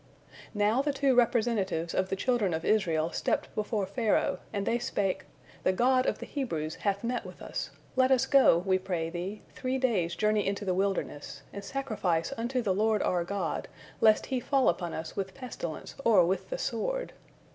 Now the two representatives of the children of Israel stepped before Pharaoh, and they spake, "The God of the Hebrews hath met with us; let us go, we pray thee, three days' journey into the wilderness, and sacrifice unto the Lord our God, lest He fall upon us with pestilence or with the sword."